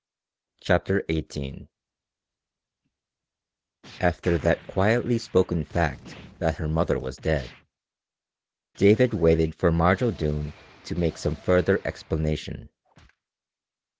CHAPTER XVIII After that quietly spoken fact that her mother was dead, David waited for Marge O'Doone to make some further explanation.